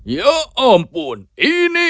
ya ampun ini